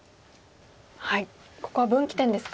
ここは分岐点ですか。